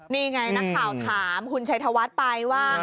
นี่ไงนักข่าวถามคุณชัยธวัฒน์ไปว่า